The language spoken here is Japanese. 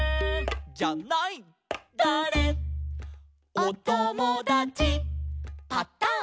「おともだちパタン」